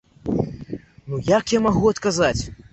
Ну як я магу адказаць?